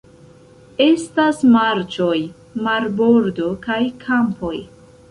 Estas marĉoj, marbordo kaj kampoj.